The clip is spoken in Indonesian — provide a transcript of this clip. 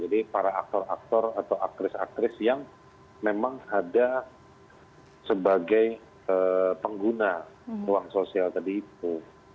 jadi para aktor aktor atau aktris aktris yang memang ada sebagai pengguna ruang sosial tadi itu